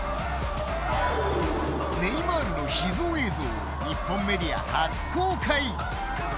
ネイマールの秘蔵映像日本メディア初公開。